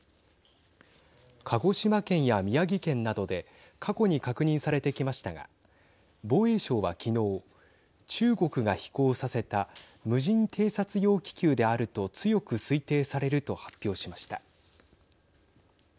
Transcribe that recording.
鹿児島県や宮城県などで過去に確認されてきましたが防衛省は昨日中国が飛行させた無人偵察用気球であると強く推定されると発表しました。